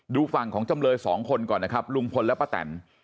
ดูฝั่งของจำเลยสองคนก่อนนะครับลุงพลและป้าแตน